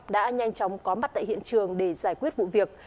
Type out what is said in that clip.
đã nhanh chóng có mặt tại hiện trường để giải quyết vụ việc